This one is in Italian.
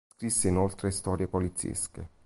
Scrisse inoltre storie poliziesche.